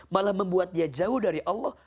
malah membuat dia jauh dari allah